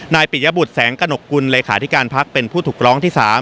ปิยบุตรแสงกระหนกกุลเลขาธิการพักเป็นผู้ถูกร้องที่๓